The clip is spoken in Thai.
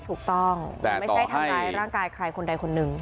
ถูกต้องไม่ใช่ทำร้ายร่างกายใครคนใดคนหนึ่ง